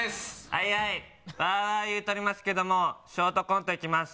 あいあいわーわー言うとりますけどもショートコントいきます